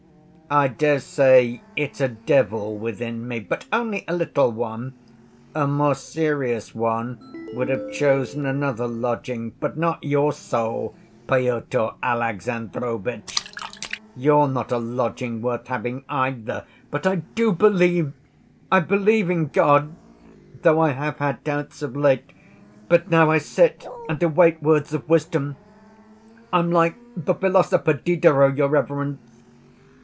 I dare say it's a devil within me. But only a little one. A more serious one would have chosen another lodging. But not your soul, Pyotr Alexandrovitch; you're not a lodging worth having either. But I do believe—I believe in God, though I have had doubts of late. But now I sit and await words of wisdom. I'm like the philosopher, Diderot, your reverence.